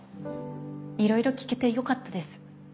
いろいろ聞けてよかったです。